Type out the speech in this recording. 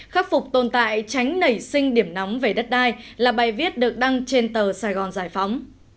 khắc phục tồn tại tránh nảy sinh điểm nóng về đất đai là bài viết được đăng trên tờ sài gòn giải phóng